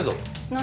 何？